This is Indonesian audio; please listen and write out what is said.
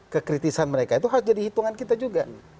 kekritisan mereka itu harus jadi hitungan kita juga